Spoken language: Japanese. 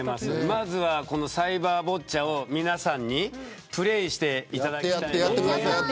まずはサイバーボッチャを皆さんにプレーしていただきたいです。